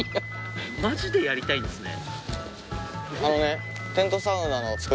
マジでやりたいんですね。